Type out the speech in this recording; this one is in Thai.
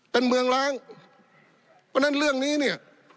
เป็นเมืองล้างเพราะฉะนั้นเรื่องนี้เนี่ย